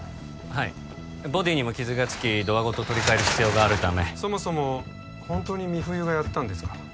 はいボディーにも傷がつきドアごと取り替える必要があるためそもそもホントに美冬がやったんですか？